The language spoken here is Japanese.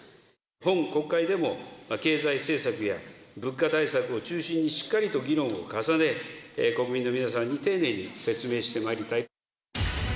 本国会でも、経済政策や物価対策を中心にしっかりと議論を重ね、国民の皆さんに丁寧に説明してまいりたい。